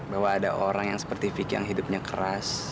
bahwa ada orang yang seperti vicky yang hidupnya keras